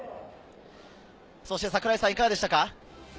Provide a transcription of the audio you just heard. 櫻井さん、いかがでしたか？